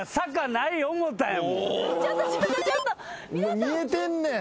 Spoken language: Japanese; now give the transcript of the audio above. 見えてんねん。